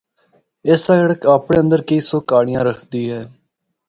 اے سڑک اپنڑے اندر کئی سو کہانڑیاں رکھدی ہے۔